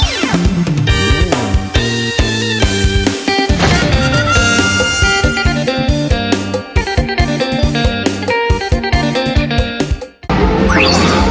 โปรดติดตามตอนต่อไป